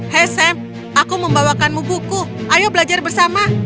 hei sam aku membawakanmu buku ayo belajar bersama